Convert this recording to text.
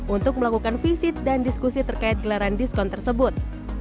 untuk melakukan visit dan diskusi terkait gelaran diskon tersebut